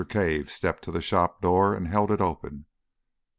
Cave stepped to the shop door, and held it open.